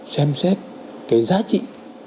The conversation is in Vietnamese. xem xét cái giá trị